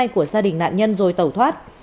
của gia đình nạn nhân rồi tàu thoát